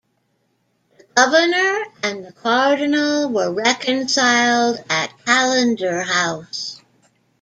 The Governor and the Cardinal were reconciled at Callendar House.